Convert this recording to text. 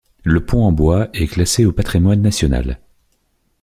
Le pont en bois est classé au patrimoine national.